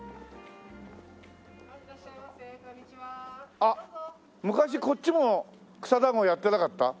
あっ昔こっちも草だんごやってなかった？